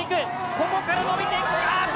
ここから伸びていくああっと